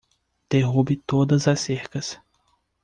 Derrube todas as cercas.